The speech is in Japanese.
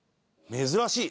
珍しい。